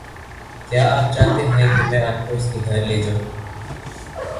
کیا آپ چاہتے ہیں کہ میں آپ کو اس کے گھر لے جاؤں؟